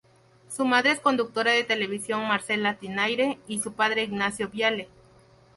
Su madre es la conductora de televisión Marcela Tinayre y su padre Ignacio Viale.